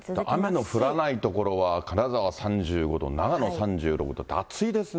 雨の降らない所は、金沢３５度、長野３６度と、暑いですね。